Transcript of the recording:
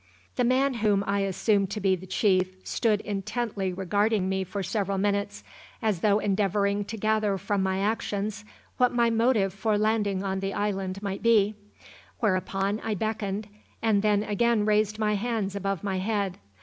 The man whom I assumed to be the chief stood intently regarding me for several minutes, as though endeavouring to gather from my actions what my motive for landing on the island might be; whereupon I beckoned, and then again raised my hands above my head.